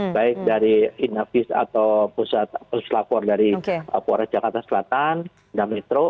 baik dari inavis atau pusat lapor dari polres jakarta selatan dan metro